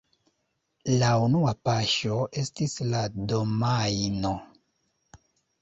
La unua paŝo estis la domajno.